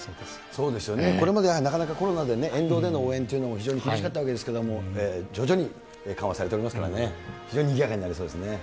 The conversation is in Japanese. そうですよね、これまではなかなかコロナで沿道での応援というのも、非常に厳しかったわけですけれども、徐々に緩和されておりますからね、非常ににぎやかになりそうですね。